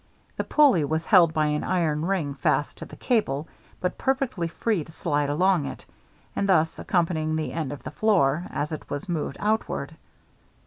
The pulley was held by an iron ring fast to the cable, but perfectly free to slide along it, and thus accompany the end of the floor as it was moved outward.